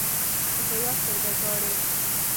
که په يوه سترګه ژاړې